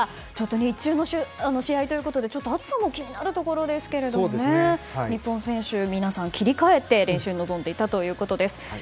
日中の試合ということで暑さも気になりますが日本選手は切り替えて練習に臨んでいたということです。